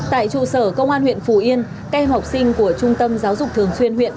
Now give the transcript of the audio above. tại trụ sở công an huyện phù yên kem học sinh của trung tâm giáo dục thường xuyên huyện